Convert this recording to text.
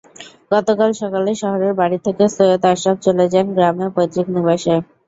গতকাল সকালে শহরের বাড়ি থেকে সৈয়দ আশরাফ চলে যান গ্রামে পৈতৃক নিবাসে।